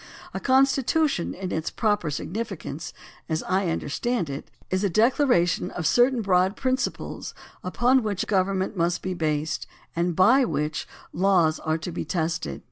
A constitu tion in its proper significance, as I understand it, is a declaration of certain broad principles upon which government must be based and by which laws are to be tested.